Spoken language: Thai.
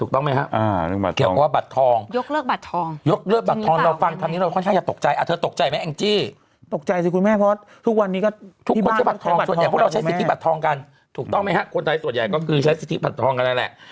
ที่บัตรทองกันถูกต้องไหมฮะคนไทยส่วนใหญ่ก็คือใช้สิทธิบัตรทองกันแล้วแหละ